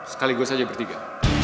sekali gue saja bertiga